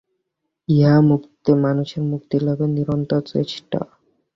ইহা মানুষের মুক্তিলাভের নিরন্তর চেষ্টা।